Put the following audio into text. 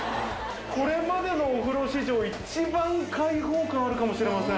これまでのお風呂史上、一番開放感あるかもしれません。